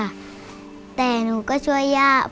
พี่น้องของหนูก็ช่วยย่าทำงานค่ะ